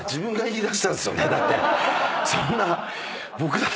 そんな。